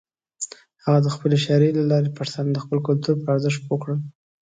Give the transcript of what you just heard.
هغه د خپلې شاعرۍ له لارې پښتانه د خپل کلتور پر ارزښت پوه کړل.